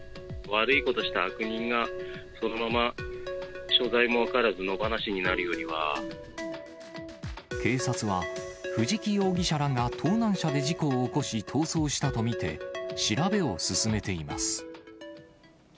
悪いことした悪人が、そのまま所在も分からず、野放しになるより警察は、藤木容疑者らが盗難車で事故を起こし逃走したと見て、調べを進めています。